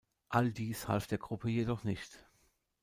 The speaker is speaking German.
All dies half der Gruppe jedoch nicht.